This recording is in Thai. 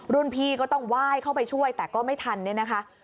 รุ่นพี่ก็ต้องไหว้เข้าไปช่วยแต่ก็ไม่ทันเนี่ยนะคะ